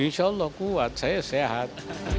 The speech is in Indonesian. insya allah kuat saya sehat